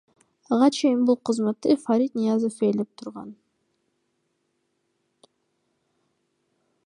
Ага чейин бул кызматты Фарид Ниязов ээлеп турган.